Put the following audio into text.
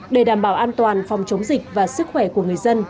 để đảm bảo an toàn phòng chống dịch và sức khỏe của người dân